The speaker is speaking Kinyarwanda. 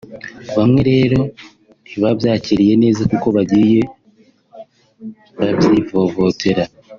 bamwe rero ntibabyakiriye neza kuko bagiye babyivovotera